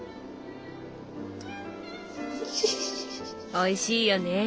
おいしいよね。